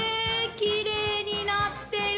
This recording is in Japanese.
きれいになってる。